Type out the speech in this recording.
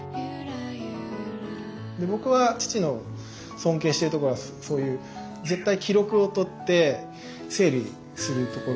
で僕は父の尊敬してるところはそういう絶対記録を取って整理するところがすごく。